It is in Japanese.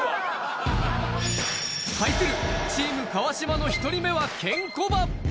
対するチーム・川島の１人目はケンコバ。